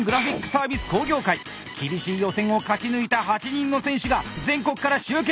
厳しい予選を勝ち抜いた８人の選手が全国から集結！